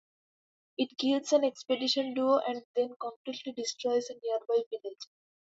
It kills an expedition duo and then completely destroys a nearby village.